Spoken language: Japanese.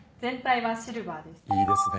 いいですね